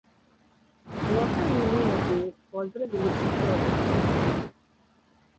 Локални медији поздравили су те вести.